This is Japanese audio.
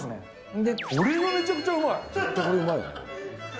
んで、これがめちゃくちゃうまい！